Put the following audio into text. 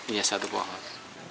iya satu pohon